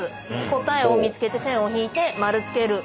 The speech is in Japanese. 答えを見つけて線を引いて○つける。